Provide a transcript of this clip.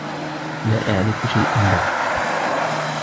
لا أعرف شيئاً بعد.